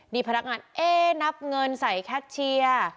นี่พนักงานเอ๊นับเงินใส่แคชเชียร์